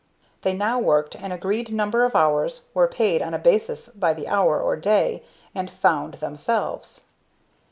They now worked an agreed number of hours, were paid on a basis by the hour or day, and "found" themselves.